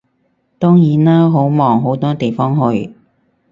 當然啦，好忙好多地方去